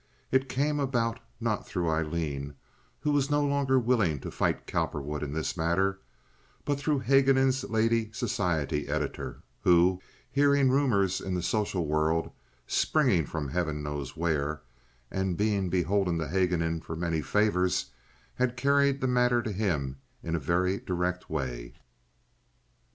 It came about not through Aileen, who was no longer willing to fight Cowperwood in this matter, but through Haguenin's lady society editor, who, hearing rumors in the social world, springing from heaven knows where, and being beholden to Haguenin for many favors, had carried the matter to him in a very direct way.